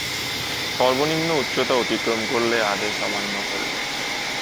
সর্বনিম্ন উচ্চতা অতিক্রম করলে, আদেশ অমান্য করলে।